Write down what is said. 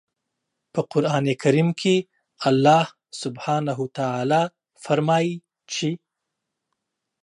په قرآن کریم کې الله سبحانه وتعالی فرمايي چې